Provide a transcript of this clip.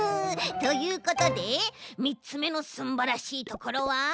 ということで３つめのすんばらしいところはこちらです！